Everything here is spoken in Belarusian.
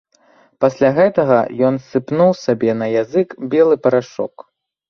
Пасля гэтага ён сыпнуў сабе на язык белы парашок.